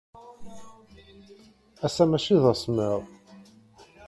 Ass-a, maci d asemmiḍ.